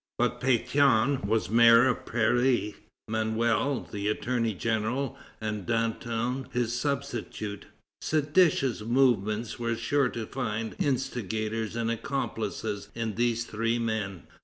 But Pétion was mayor of Paris; Manuel, the attorney general, and Danton his substitute. Seditious movements were sure to find instigators and accomplices in these three men.